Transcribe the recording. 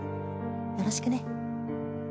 よろしくね